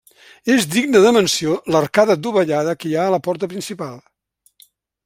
És digne de menció l'arcada dovellada que hi ha a la porta principal.